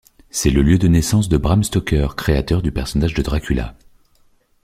C'est le lieu de naissance de Bram Stoker, créateur du personnage de Dracula.